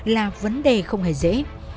là vấn đề không hề dễ